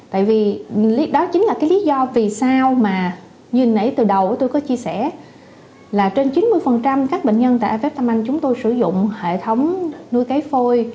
tại vì đó chính là cái lý do vì sao mà như nãy từ đầu tôi có chia sẻ là trên chín mươi các bệnh nhân tại ivf tâm anh chúng tôi sử dụng hệ thống nuôi cấy phôi